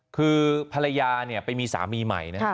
คือภรรยาเนี่ยไปมีสามีใหม่นะ